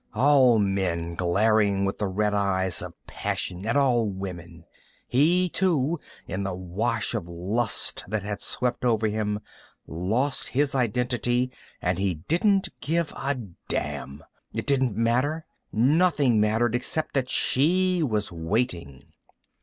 All men, glaring with the red eyes of passion at all women. He too, in the wash of lust that had swept over him, lost his identity and he didn't give a damn. It didn't matter. Nothing mattered except that she was waiting...